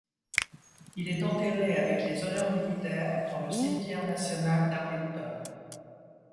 Il est enterré avec les honneurs militaires dans le cimetière national d'Arlington.